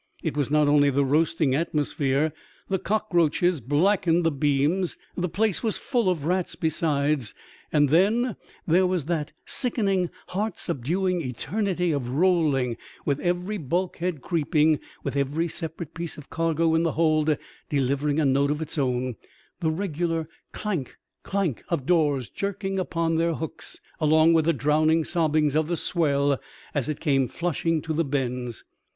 It was not only the roasting atmosphere : the cockroaches blackened the beams ; the place was full of rats besides ; and then there was that sickening, heart subduing eternity of rolling with every bulkhead creaking, with every separate piece of cargo in the hold delivering a note of its own, the regular clank, clank of doors jerking upon their hooks along with the drowning sobbings of the swell as it came flushing to the bends.